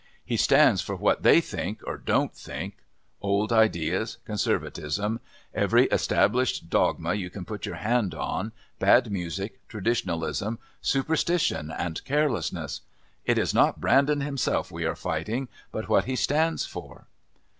He stands for what they think or don't think old ideas, conservatism, every established dogma you can put your hand on, bad music, traditionalism, superstition and carelessness. It is not Brandon himself we are fighting, but what he stands for."